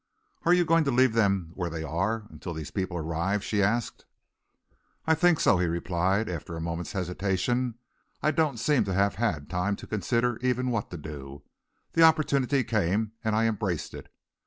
"Are you going to leave them where they are until these people arrive?" she asked. "I think so," he replied, after a moment's hesitation. "I don't seem to have had time to consider even what to do. The opportunity came, and I embraced it.